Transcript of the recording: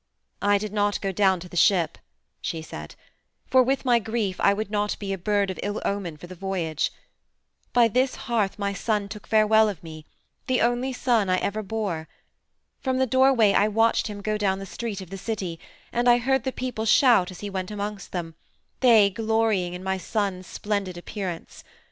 "I did not go down to the ship," she said, "for with my grief I would not be a bird of ill omen for the voyage. By this hearth my son took farewell of me the only son I ever bore. From the doorway I watched him go down the street of the city, and I heard the people shout as he went amongst them, they glorying in my son's splendid appearance.